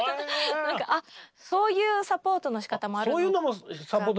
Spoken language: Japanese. あっそういうサポートのしかたもあるのかなって。